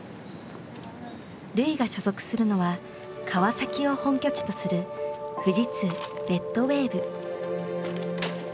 瑠唯が所属するのは川崎を本拠地とする富士通レッドウェーブ。